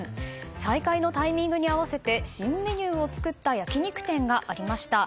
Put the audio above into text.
再開のタイミングに合わせて新メニューを作った焼き肉店がありました。